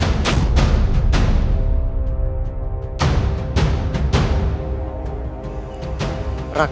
aku akan memperbaiki